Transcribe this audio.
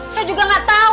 saya juga gak tau